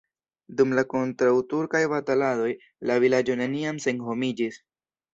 Dum la kontraŭturkaj bataladoj la vilaĝo neniam senhomiĝis.